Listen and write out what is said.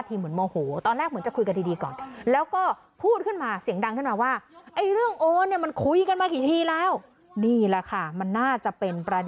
เรื่องนี้เราคุยกันมากี่ปีแล้ว